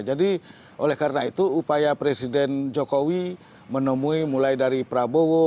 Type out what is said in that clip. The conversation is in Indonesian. jadi oleh karena itu upaya presiden jokowi menemui mulai dari prabowo